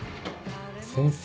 先生